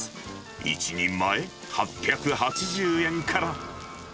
１人前８８０円から。